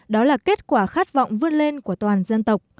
đó là kết quả khát vọng vươn lên của toàn dân tộc